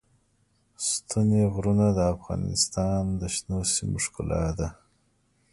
ستوني غرونه د افغانستان د شنو سیمو ښکلا ده.